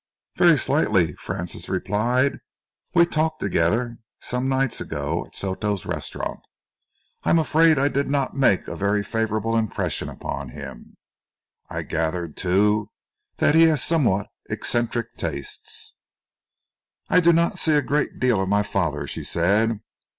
"Very slightly," Francis replied. "We talked together, some nights ago, at Soto's Restaurant. I am afraid that I did not make a very favourable impression upon him. I gathered, too, that he has somewhat eccentric tastes." "I do not see a great deal of my father," she said.